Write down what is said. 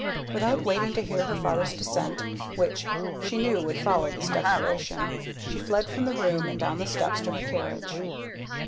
Without waiting to hear her father's dissent, which she knew would follow this declaration, she fled from the room and down the steps to her carriage.